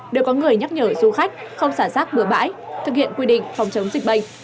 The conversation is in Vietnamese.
đều có người nhắc nhở du khách không xả rác bừa bãi thực hiện quy định phòng chống dịch bệnh